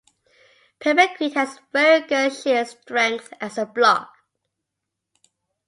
Papercrete has very good shear strength as a block.